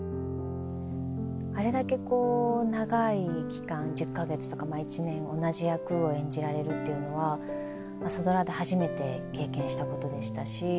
あれだけこう長い期間１０か月とかまあ１年同じ役を演じられるっていうのは「朝ドラ」で初めて経験したことでしたし。